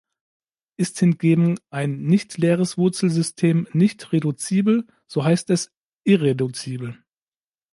Ist hingegen ein nicht-leeres Wurzelsystem nicht reduzibel, so heißt es "irreduzibel".